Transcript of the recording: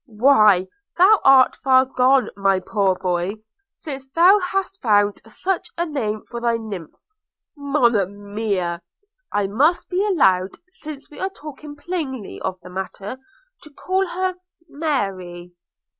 – why thou art far gone, my poor boy, since thou hast found such a name for thy nymph – Monimia! I must be allowed, since we are talking plainly of the matter, to call her Mary.'